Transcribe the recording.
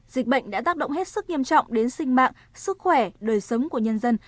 dịch bệnh đã tác động hết sức nghiêm trọng đến sinh mạng sức khỏe đời sống của nhân dân